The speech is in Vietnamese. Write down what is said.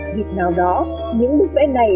dịp nào đó những bức vẽ này